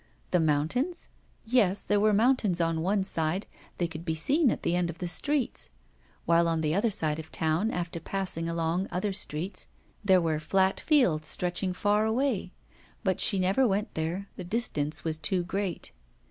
The mountains? Yes, there were mountains on one side, they could be seen at the end of the streets; while on the other side of the town, after passing along other streets, there were flat fields stretching far away; but she never went there, the distance was too great.